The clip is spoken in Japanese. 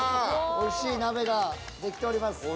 おいしい鍋が出来ております。